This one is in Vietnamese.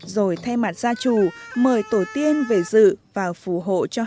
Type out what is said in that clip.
rồi thay mặt gia trù mời tổ tiên về dự và phù hộ cho cô dâu